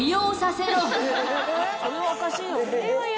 それはおかしいよ。